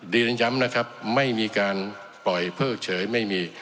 เรียนย้ำนะครับไม่มีการปล่อยเพิกเฉยไม่มี